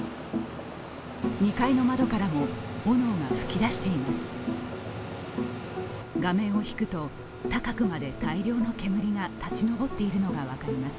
２階の窓からも炎が噴き出しています。